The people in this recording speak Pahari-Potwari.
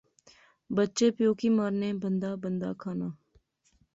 بچے پیو کی مارنے۔۔۔ بندہ بندہ کھانا